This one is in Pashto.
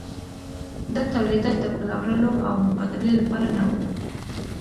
دا تولیدات د پلورلو او مبادلې لپاره نه وو.